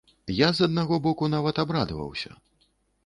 Я, з аднаго боку, нават абрадаваўся.